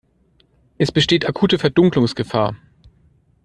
Es besteht akute Verdunkelungsgefahr.